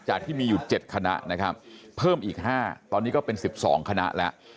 ที่มีอยู่๗คณะนะครับเพิ่มอีก๕ตอนนี้ก็เป็น๑๒คณะแล้ว